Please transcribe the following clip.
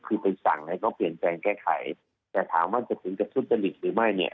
คือไปสั่งให้เขาเปลี่ยนแปลงแก้ไขแต่ถามว่าจะถึงกับทุจริตหรือไม่เนี่ย